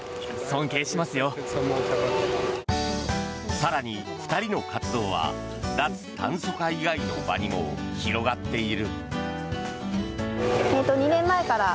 更に、２人の活動は脱炭素化以外の場にも広がっている。